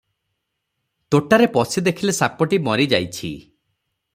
ତୋଟାରେ ପଶି ଦେଖିଲେ ସାପଟି ମରି ଯାଇଛି ।